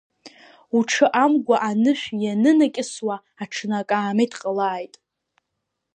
Уҽы амгәа анышә ианынакьысуа аҽны акаамеҭ ҟалааит!